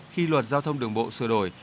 khi luật giao thông đường bộ sửa đổi